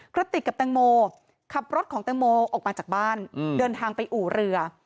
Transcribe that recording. กระติกกับแตงโมขับรถของแตงโมออกมาจากบ้านเดินทางไปอู่เรือ